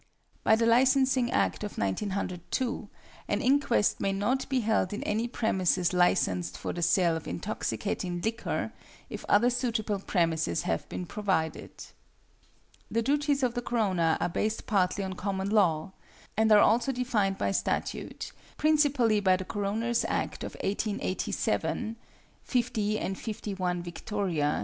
By the Licensing Act of 1902, an inquest may not be held in any premises licensed for the sale of intoxicating liquor if other suitable premises have been provided. The duties of the coroner are based partly on Common Law, and are also defined by statute, principally by the Coroners Act of 1887 (50 and 51 Vict. c.